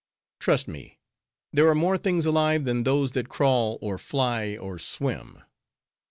Trust me, there are more things alive than those that crawl, or fly, or swim.